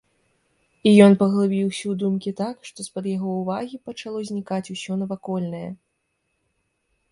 Ён паглыбіўся ў думкі так, што з-пад яго ўвагі пачало знікаць усё навакольнае.